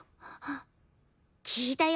聞いたよ。